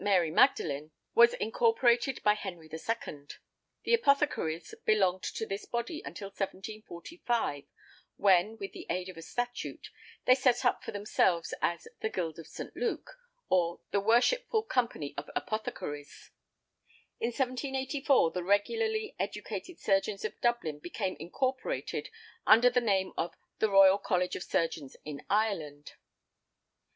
Mary Magdalene" was incorporated by Henry II. The apothecaries belonged to this body until 1745, when, with the aid of a statute, they set up for themselves, as "The Guild of S. Luke," or "The worshipful Company of Apothecaries." In 1784 the regularly educated surgeons of Dublin became incorporated under the name of "The Royal College of Surgeons in Ireland."